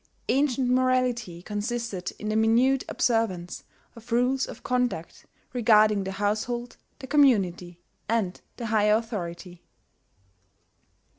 Ancient morality consisted in the minute observance of rules of conduct regarding the household, the community, and the higher authority.